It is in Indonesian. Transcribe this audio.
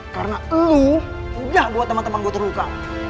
karena lu udah buat teman teman gue terluka